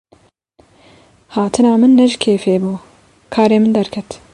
Hatina min ne ji kêfê bû, karê min derket.